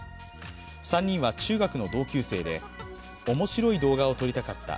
３人は中学の同級生でおもしろい動画を撮りたかった。